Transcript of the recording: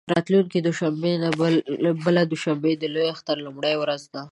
راتلونکې دوشنبه نه، بله دوشنبه د لوی اختر لومړۍ ورځ ده.